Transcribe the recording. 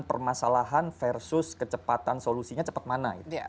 permasalahan versus kecepatan solusinya cepat mana